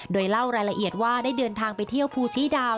โดยเล่ารายละเอียดว่าได้เดินทางไปเที่ยวภูชีดาว